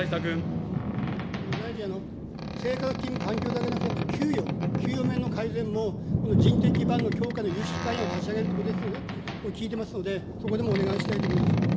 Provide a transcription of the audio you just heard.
大臣、生活の環境だけじゃなくて、やっぱ給与、給与面の改善も人的基盤強化の有識者会議を立ち上げるということを聞いておりますので、そこでもお願いしたいと思います。